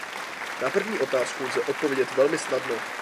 Na první otázku lze odpovědět velmi snadno.